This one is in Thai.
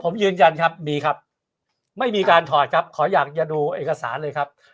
ผมยืนยันครับมีครับไม่มีการถอดครับขออยากจะดูเอกสารเลยครับ